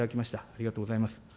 ありがとうございます。